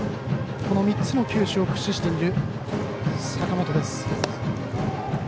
この３つの球種を駆使している坂本です。